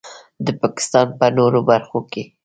د پاکستان په نورو برخو